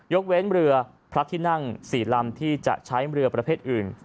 เว้นเรือพระที่นั่ง๔ลำที่จะใช้เรือประเภทอื่น